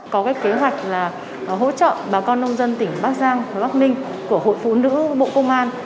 có cái kế hoạch là hỗ trợ bà con nông dân tỉnh bắc giang bắc ninh của hội phụ nữ bộ công an